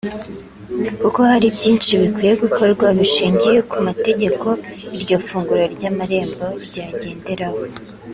kuko hari byinshi bikwiye gukorwa bishingiye ku mategeko iryo fungura ry’amarembo ryagenderaho